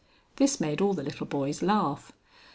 This made all the little boys laugh.